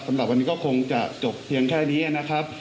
สำหรับวันนี้ก็คงจะจบเพียงแค่นี้นะครับ